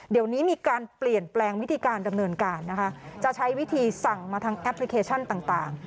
เดี๋ยวนี้มีการเปลี่ยนแปลงวิธีการดำเนินการนะคะจะใช้วิธีสั่งมาทางแอปพลิเคชันต่าง